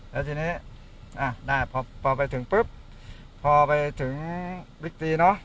แล้วทีนี้อ่ะได้พอพอไปถึงปึ๊บพอไปถึงวิกษีเนอะ